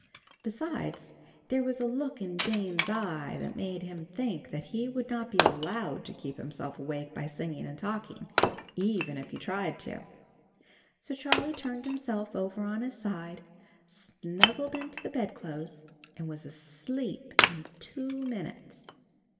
Besides, there was a look in Jane's eye that made him think that he would not be allowed to keep himself awake by singing and talking, even if he tried to. So Charlie turned himself over on his side, snuggled into the bed clothes and was asleep in two minutes.